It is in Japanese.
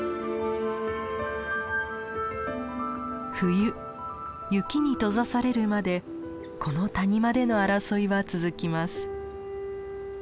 冬雪に閉ざされるまでこの谷間での争いは続きます。